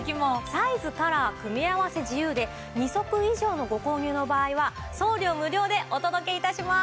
サイズカラー組み合わせ自由で２足以上のご購入の場合は送料無料でお届け致します！